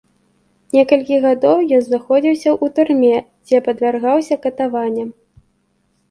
Некалькі гадоў ён знаходзіўся ў турме, дзе падвяргаўся катаванням.